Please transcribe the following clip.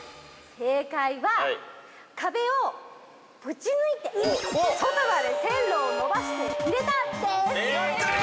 正解は「壁をぶち抜いて、外まで線路を延ばして入れた」です。